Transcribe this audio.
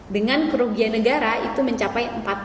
dengan kerugian negara itu mencapai